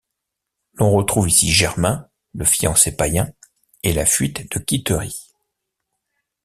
L’on retrouve ici Germain, le fiancé païen, et la fuite de Quitterie.